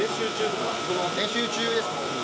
練習中です。